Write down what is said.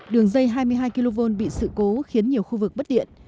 đường dây hai mươi hai kv bị sự cố khiến nhiều khu vực mất điện